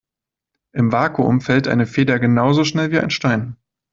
Im Vakuum fällt eine Feder genauso schnell wie ein Stein.